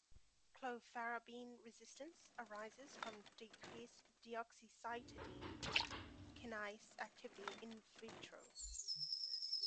Clofarabine-resistance arises from decreased deoxycytidine kinase activity in vitro.